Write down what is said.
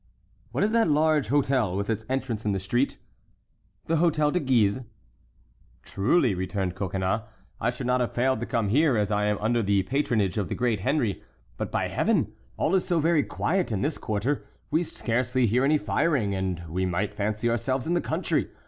"What is that large hôtel, with its entrance in the street?" "The Hôtel de Guise." "Truly," returned Coconnas, "I should not have failed to come here, as I am under the patronage of the great Henry. But, by Heaven! all is so very quiet in this quarter, we scarcely hear any firing, and we might fancy ourselves in the country.